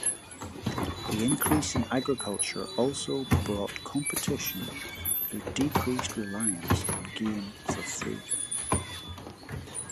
The increase in agriculture also brought competition through decreased reliance on game for food.